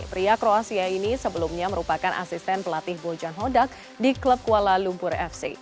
pria kroasia ini sebelumnya merupakan asisten pelatih bojan hodak di klub kuala lumpur fc